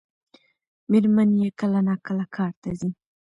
مېرمن یې کله ناکله کار ته ځي.